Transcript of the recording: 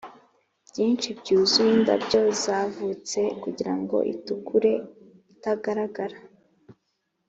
byinshi byuzuye indabyo yavutse kugirango itukure itagaragara,